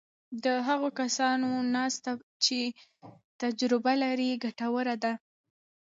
د هغو کسانو ناسته چې تجربه لري ګټوره ده.